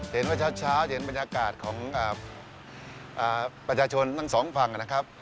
เช้าเห็นบรรยากาศของประชาชนทั้งสองฝั่งนะครับ